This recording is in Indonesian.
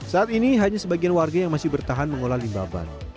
saat ini hanya sebagian warga yang masih bertahan mengolah limbah ban